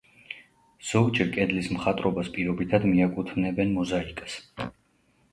ზოგჯერ კედლის მხატვრობას პირობითად მიაკუთვნებენ მოზაიკას.